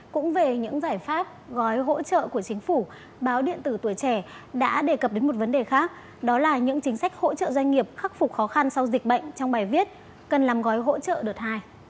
cũng về những giải pháp gói hỗ trợ của chính phủ báo điện tử tuổi trẻ đã đề cập đến một vấn đề khác đó là những chính sách hỗ trợ doanh nghiệp khắc phục khó khăn sau dịch bệnh trong bài viết cần làm gói hỗ trợ đợt hai